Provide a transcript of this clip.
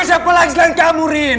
ini siapa lagi selain kamu rin